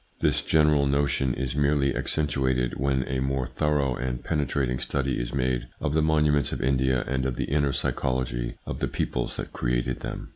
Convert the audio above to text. This general notion is merely accentuated when a more thorough and penetrating study is made of the monuments of India and of the inner psychology of the peoples that created them.